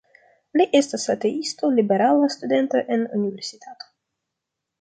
Li estas ateisto, liberala studento en universitato.